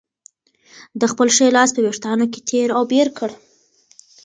ده خپل ښی لاس په وېښتانو کې تېر او بېر کړ.